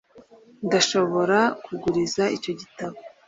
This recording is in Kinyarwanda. ndashobora kuguriza icyo gitabo.